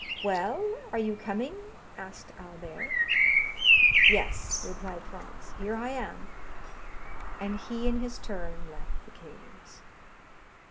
"Well, are you coming?" asked Albert. "Yes," replied Franz, "here I am," and he, in his turn, left the caves.